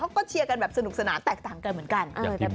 เชียร์กันแบบสนุกสนานแตกต่างกันเหมือนกัน